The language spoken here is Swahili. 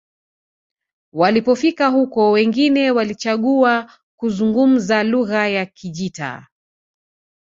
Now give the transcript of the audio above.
walipofika huko wengine walichagua kuzungumza lugha ya kijita